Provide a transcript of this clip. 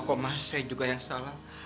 kok mas saya juga yang salah